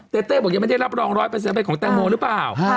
เต้เต้บอกยังไม่ได้รับรองร้อยเป็นแจมเปิ้ลของแตงโมหรือเปล่า